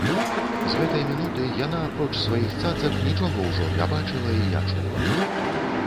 З гэтай мінуты яна, апроч сваіх цацак, нічога ўжо не бачыла і не чула.